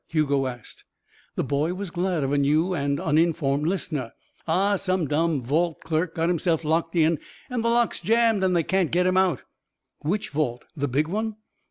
Hugo asked. The boy was glad of a new and uninformed listener. "Aw, some dumb vault clerk got himself locked in, an' the locks jammed an' they can't get him out." "Which vault? The big one?"